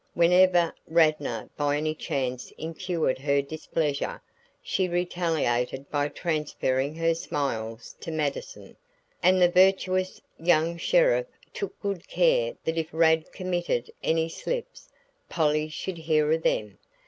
Whenever Radnor by any chance incurred her displeasure, she retaliated by transferring her smiles to Mattison; and the virtuous young sheriff took good care that if Rad committed any slips, Polly should hear of them.